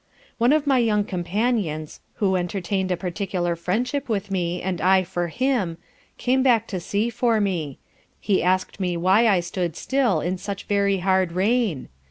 One of my young companions (who entertained a particular friendship for me and I for him) came back to see for me: he asked me why I stood still in such very hard rain?